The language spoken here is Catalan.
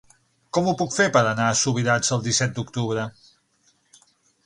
Com ho puc fer per anar a Subirats el disset d'octubre?